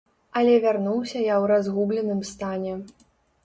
Але вярнуўся я ў разгубленым стане.